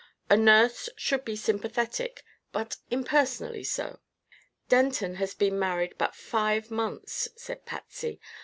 "A nurse should be sympathetic, but impersonally so." "Denton has been married but five months," said Patsy.